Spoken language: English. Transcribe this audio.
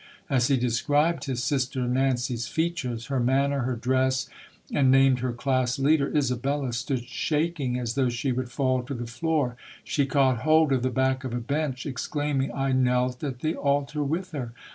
As he de scribed his sister Nancy's features, her manner, her dress, and named her class leader, Isabella stood shaking as though she would fall to the floor. She caught hold of the back of a bench, ex claiming, "I knelt at the altar with her.